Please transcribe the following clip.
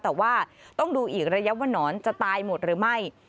แต่ว่าต้องดูอีกระยะว่านอนจะตายหมดหรือไม่